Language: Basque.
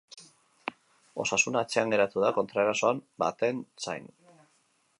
Osasuna atzean geratu da kontraerason baten zain.